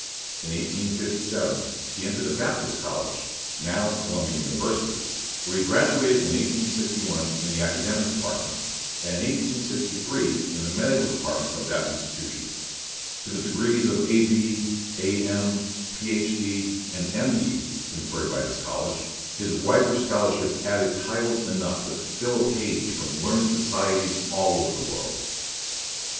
In 1857 he entered a Baptist college, now Columbian University, where he graduated in 1861 in the academic department, and in 1863 in the medical department of that institution. To the degrees of A. B., A. M., Ph. D., and M. D., conferred by this college, his riper scholarship added titles enough to fill a page from learned societies all over the world.